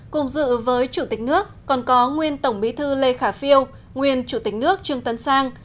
cùng dự với chủ tịch nước còn có nguyên tổng bí thư lê khả phiêu nguyên chủ tịch nước trương tấn sang